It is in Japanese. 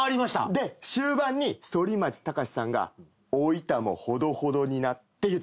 で終盤に反町隆史さんが「おいたもほどほどにな」って言ったでしょ？